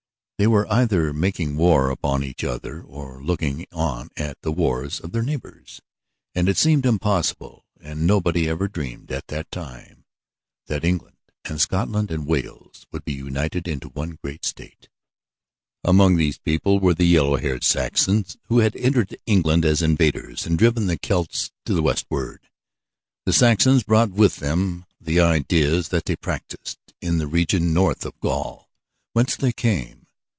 They were either making war upon each other, or looking on at the wars of their neighbors; and it seemed impossible, and nobody ever dreamed at that time, that England and Scotland and Wales would be united into one great state. Among these people were the yellow haired Saxons, who had entered England as invaders and driven the Celts to the westward. The Saxons brought with them the ideas that they practised in the region north of Gaul, whence they came.